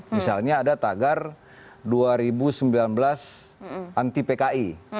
misalnya ada tagar dua ribu sembilan belas anti pki